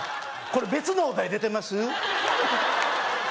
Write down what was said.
これ別のお題出てます？